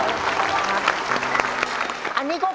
ที่พอจับกีต้าร์ปุ๊บ